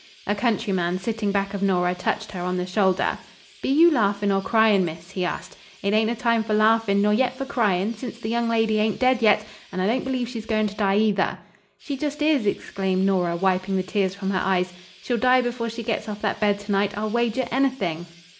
A countryman, sitting back of Nora, touched her on the shoulder. "Be you laughing or crying, miss?" he asked. "It ain't a time for laughing nor yet for crying, since the young lady ain't dead yet and I don't believe she's goin' to die, either." "She just is," exclaimed Nora, wiping the tears from her eyes. "She'll die before she gets off that bed to night, I'll wager anything."